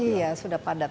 iya sudah padat